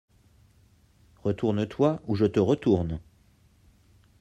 Retourne-toi ou je te retourne!